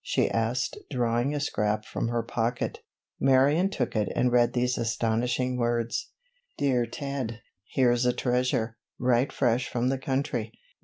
she asked, drawing a scrap from her pocket. Marion took it and read these astonishing words: "Dear Ted: Here's a treasure, right fresh from the country.